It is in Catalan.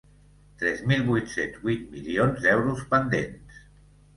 Tres mil vuit-cents vuit milions d’euros pendents.